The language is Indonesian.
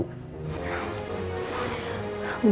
gak patungan malu